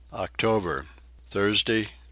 October. Thursday 2.